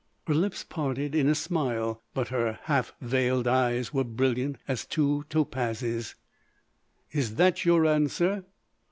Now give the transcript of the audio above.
Her lips parted in a smile; but her half veiled eyes were brilliant as two topazes. "Is that your answer?"